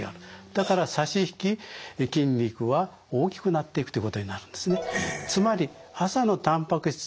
だから差し引き筋肉は大きくなっていくということになるんですね。